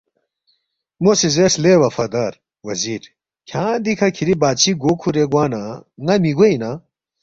مو سی زیرس، ”لے وفادار وزیر کھیانگ دیکھہ کِھری بادشی گو کُھورے گوا نہ ن٘ا مِہ گوے اِنا؟